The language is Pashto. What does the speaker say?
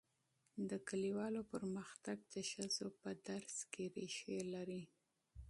د کلیوالو پرمختګ د ښځو په تعلیم کې ریښې لري.